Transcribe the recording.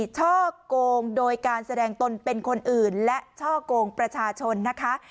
ช่อกงโดยการแสดงตนเป็นคนอื่นและช่อกงประชาชนนะคะ